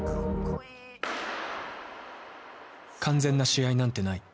完全な試合なんてない。